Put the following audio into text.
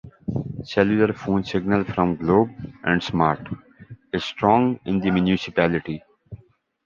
Cellular phone signal from Globe and Smart is strong in the municipality.